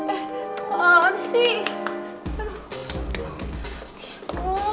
eh mana sih